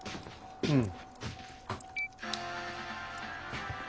うん。